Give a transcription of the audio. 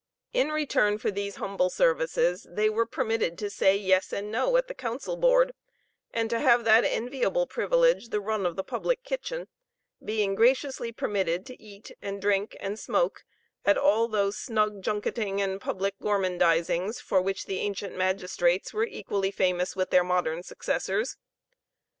In return for these humble services, they were permitted to say "yes" and "no" at the council board, and to have that enviable privilege, the run of the public kitchen being graciously permitted to eat, and drink, and smoke, at all those snug junketing and public gormandisings, for which the ancient magistrates were equally famous with their modern successors.